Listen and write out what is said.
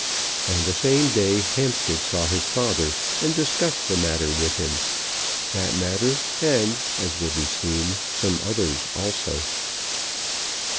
On the same day Hampstead saw his father and discussed the matter with him; that matter, and, as will be seen, some others also.